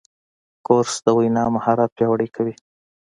کورس د وینا مهارت پیاوړی کوي.